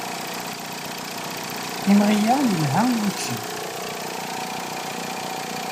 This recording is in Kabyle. Imɣi-a yelha i wucci.